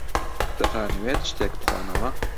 دەتانەوێت شتێک بخۆنەوە؟